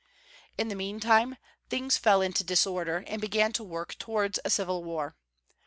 In the meantime things fell into disorder, and began to work towards a civU war.